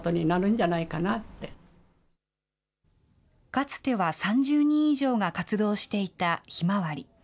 かつては３０人以上が活動していたひまわり。